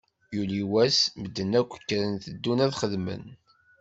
Yuli wass, medden akk kkren, teddun ad xedmen.